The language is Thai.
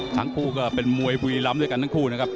ทั้งคู่ก็เป็นมวยบุรีรำด้วยกันทั้งคู่นะครับ